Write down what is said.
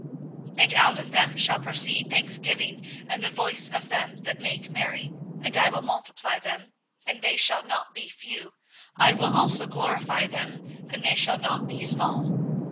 24:030:019 And out of them shall proceed thanksgiving and the voice of them that make merry: and I will multiply them, and they shall not be few; I will also glorify them, and they shall not be small.